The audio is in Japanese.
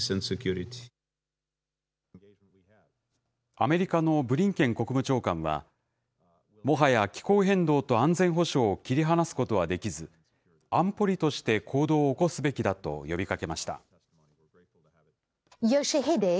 アメリカのブリンケン国務長官は、もはや気候変動と安全保障を切り離すことはできず、安保理として行動を起こすべきだと呼びかけました。